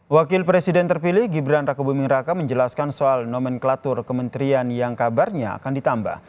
wakil presiden terpilih gibran raka buming raka menjelaskan soal nomenklatur kementerian yang kabarnya akan ditambah